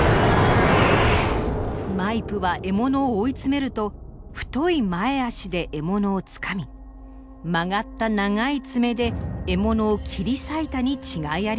マイプは獲物を追い詰めると太い前あしで獲物をつかみ曲がった長い爪で獲物を切り裂いたに違いありません。